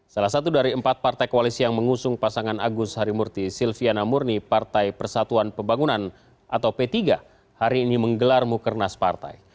salah satu dari empat partai koalisi yang mengusung pasangan agus harimurti silviana murni partai persatuan pembangunan atau p tiga hari ini menggelar mukernas partai